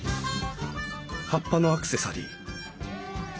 葉っぱのアクセサリー！